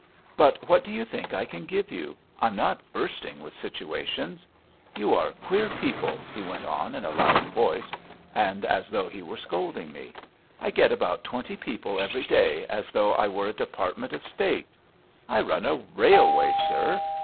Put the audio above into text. "But what do you think I can give you? I'm not bursting with situations. You are queer people!" he went on in a loud voice and as though he were scolding me. "I get about twenty people every day, as though I were a Department of State. I run a railway, sir.